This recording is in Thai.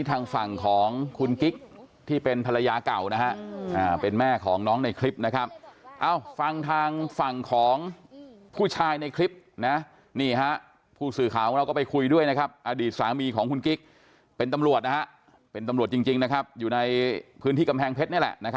ตอนนี้เป็นคดีความอยู่หนูจะเอาเรื่องให้ถึงที่สุด